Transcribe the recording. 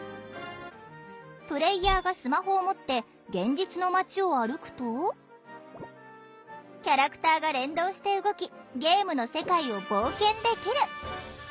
プレーヤーがスマホを持って現実の街を歩くとキャラクターが連動して動きゲームの世界を冒険できる！